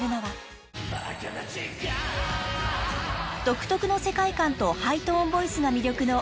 ［独特の世界観とハイトーンボイスが魅力の］